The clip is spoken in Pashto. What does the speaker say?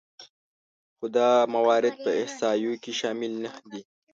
خو دا موارد په احصایو کې شامل نهدي